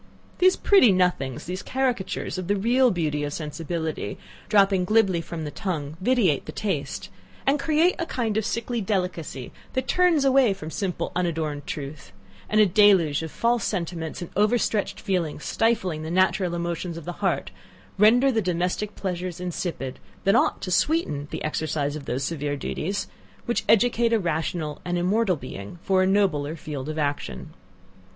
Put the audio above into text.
These pretty nothings, these caricatures of the real beauty of sensibility, dropping glibly from the tongue, vitiate the taste, and create a kind of sickly delicacy that turns away from simple unadorned truth; and a deluge of false sentiments and over stretched feelings, stifling the natural emotions of the heart, render the domestic pleasures insipid, that ought to sweeten the exercise of those severe duties, which educate a rational and immortal being for a nobler field of action.